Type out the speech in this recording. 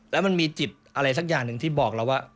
แล้วมันมีจิตอะไรสักอย่างหนึ่งที่บอกเราว่า